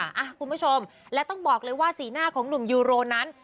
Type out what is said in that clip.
คุณผู้ชมและต้องบอกเลยว่าสีหน้าของหนุ่มยูโรนั้น